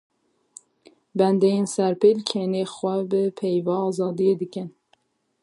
Bendeyên serpêl, kenê xwe bi peyva azadiyê dikin.